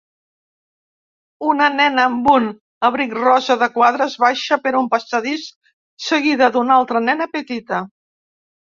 Una nena amb un abric rosa de quadres baixa per un passadís, seguida d'una altra nena petita.